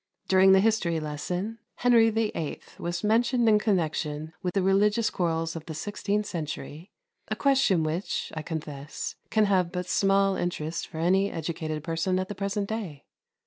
During the history lesson Henry VIII. was mentioned in connection with the religious quarrels of the sixteenth century, a question which, I confess, can but have small interest for any educated person at the present day.